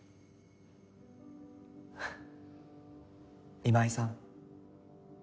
今井さん。